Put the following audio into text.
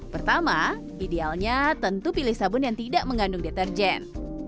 pertama idealnya tentu pilih sabun yang tidak mengandung deterjen